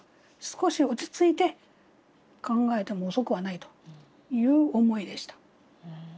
少し落ち着いて考えても遅くはないという思いでした。